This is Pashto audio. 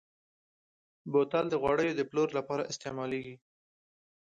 بوتل د غوړیو د پلور لپاره استعمالېږي.